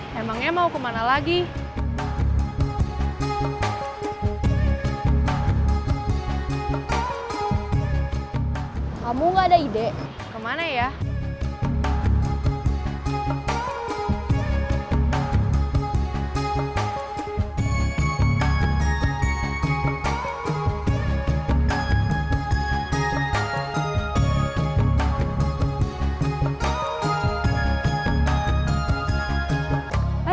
terus kita mau kemana gedung sate kamu ikut males ah kamu maunya kemana